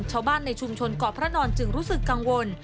ชาวบ้านในชุมชนเกาะพระนอนจึงรู้สึกกังวล